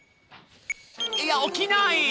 いや起きない！